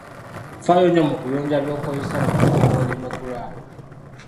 Ffaayo nnyo mu kuyonja byokozesa mu kufumba oleme kulwala.